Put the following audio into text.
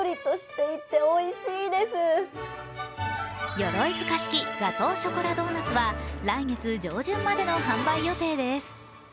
ヨロイヅカ式ガトーショコラドーナツは来月上旬までの販売予定です。